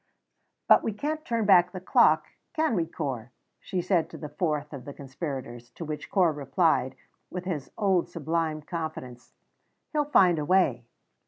"But we can't turn back the clock, can we, Corp?" she said to the fourth of the conspirators, to which Corp replied, with his old sublime confidence, "He'll find a way."